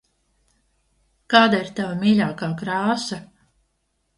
Kāda ir tava mīļākā krāsa?